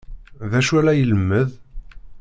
D acu ay la ilemmed?